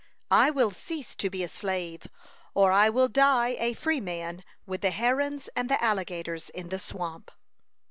I will cease to be a slave, or I will die a freeman with the herons and the alligators in the swamp."